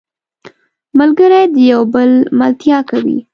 ملګری د یو بل ملتیا کوي